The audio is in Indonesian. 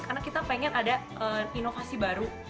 karena kita pengen ada inovasi baru